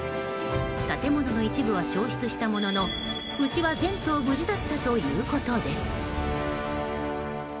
建物の一部は焼失したものの牛は全頭無事だったということです。